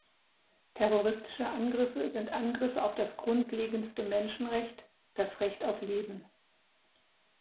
Terroristische Angriffe sind Angriffe auf das grundlegendste Menschenrecht das Recht auf Leben.